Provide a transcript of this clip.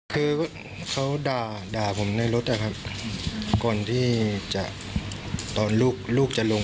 คือเขาด่าผมในรถก่อนที่ลูกจะลง